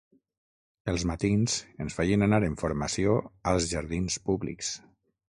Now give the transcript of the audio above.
Els matins ens feien anar en formació als jardins públics